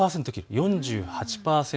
４８％。